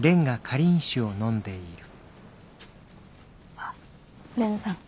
あっ蓮さん。